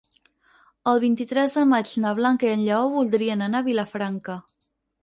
El vint-i-tres de maig na Blanca i en Lleó voldrien anar a Vilafranca.